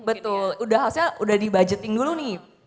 betul harusnya udah di budgeting dulu nih